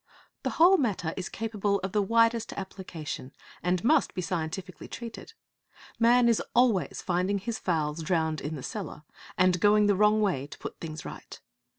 The whole matter is capable of the widest application, and must be scientifically treated. Man is always finding his fowls drowned in the cellar and going the wrong way to put things right.